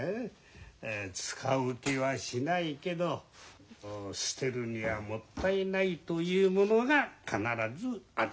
使う気はしないけど捨てるにはもったいないというものが必ずある。